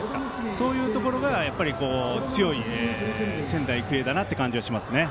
そういうところが強い仙台育英だなという感じはします。